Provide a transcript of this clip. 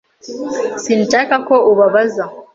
Sinshaka ko ubabaza.